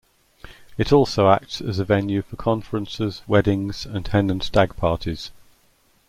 It also acts as a venue for conferences, weddings and Hen and Stag parties.